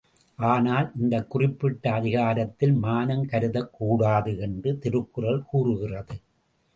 ஆனால், இந்தக் குறிப்பிட்ட அதிகாரத்தில் மானம் கருதக் கூடாது என்று திருக்குறள் கூறுகிறது.